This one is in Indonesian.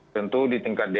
tentu di tingkatnya